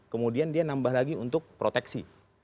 kemudian dia nambah lagi untuk proteksi